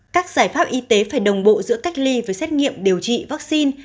các giải pháp y tế phải đồng bộ giữa cách ly với xét nghiệm điều trị vaccine